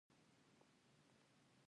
په ژمي کې غنم تر واورې لاندې وي.